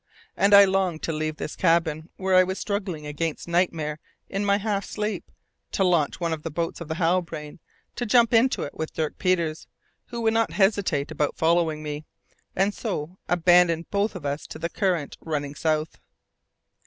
And I longed to leave this cabin where I was struggling against nightmare in my half sleep, to launch one of the boats of the Halbrane, to jump into it with Dirk Peters, who would not hesitate about following me, and so abandon both of us to the current running south.